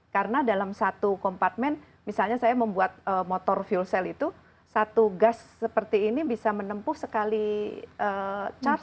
karena dalam satu kompatmen misalnya saya membuat motor fuel cell itu satu gas seperti ini bisa menempuh sekali charge